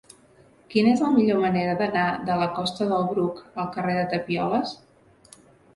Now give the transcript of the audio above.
Quina és la millor manera d'anar de la costa del Bruc al carrer de Tapioles?